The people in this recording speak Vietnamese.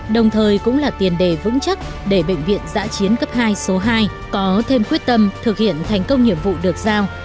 đồng thời cũng là tiền đề vững chắc để bệnh viện giã chiến cấp hai số hai có thêm quyết tâm thực hiện thành công nhiệm vụ được giao